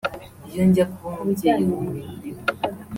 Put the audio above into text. iyo njya kuba umubyeyi w’umwe muri bo